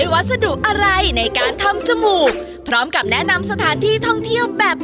วัสดุอะไรในการทำจมูกพร้อมกับแนะนำสถานที่ท่องเที่ยวแบบ